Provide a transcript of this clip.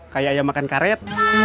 kayak ayam makan karet